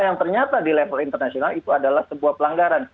yang ternyata di level internasional itu adalah sebuah pelanggaran